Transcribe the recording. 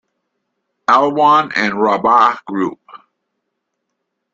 Alwan And Rabaa Group.